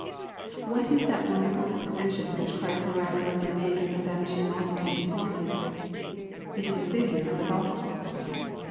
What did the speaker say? What is that wonderful provision which Christ mirac ulously made for the famishing multitude before Him ? It is a figure of the Gospel.